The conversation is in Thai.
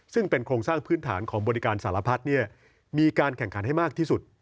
ซึ่งเป็นโครงสร้างพื้นฐานของบริการสารพัฒน์มีการแข่งขันให้มากที่สุด